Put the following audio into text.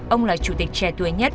ông là chủ tịch trẻ tuổi nhất